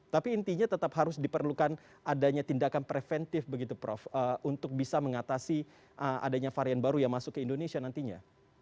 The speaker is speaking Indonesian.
tapi intinya tetap harus diperlukan adanya tindakan preventif begitu prof untuk bisa mengatasi adanya varian baru yang masuk ke indonesia nantinya